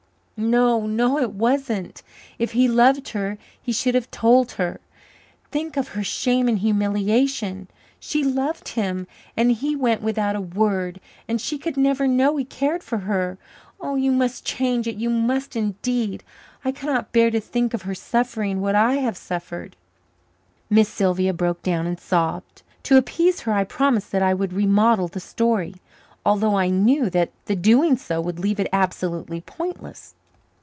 "No, no, it wasn't if he loved her he should have told her. Think of her shame and humiliation she loved him, and he went without a word and she could never know he cared for her. Oh, you must change it you must, indeed! I cannot bear to think of her suffering what I have suffered." Miss Sylvia broke down and sobbed. To appease her, I promised that I would remodel the story, although I knew that the doing so would leave it absolutely pointless.